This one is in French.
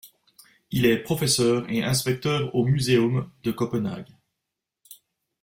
Il est professeur et inspecteur au Muséum de Copenhague.